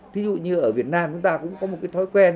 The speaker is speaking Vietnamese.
thí dụ như ở việt nam chúng ta cũng có một cái thói quen